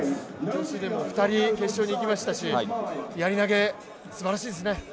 女子でも２人決勝にいきましたしやり投すばらしいですね。